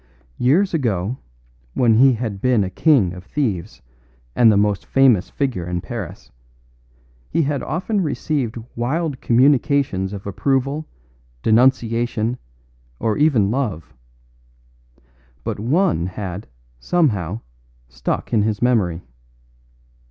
Years ago, when he had been a king of thieves and the most famous figure in Paris, he had often received wild communications of approval, denunciation, or even love; but one had, somehow, stuck in his memory.